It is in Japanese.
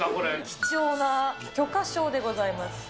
貴重な許可証でございます。